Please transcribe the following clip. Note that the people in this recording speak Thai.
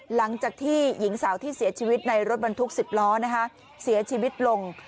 หลังจากที่หญิงสาวที่เสียชีวิตในรถบรรทุก๑๐ล้อนะคะเสียชีวิตลง